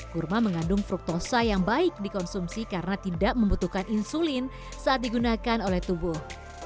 kurma mengandung fruktosa yang baik dikonsumsi karena tidak membutuhkan insulin saat digunakan oleh tubuh